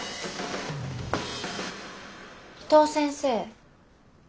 伊藤先生